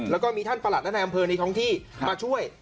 แล้วก็มีท่านประหลัดและในอำเภอในท้องที่มาช่วย